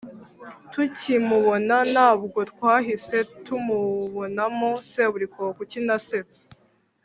tukimubona, ntabwo twahise tumubonamo seburikoko ukina asetsa,